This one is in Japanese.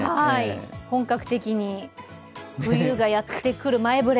本格的に冬がやってくる前触れ。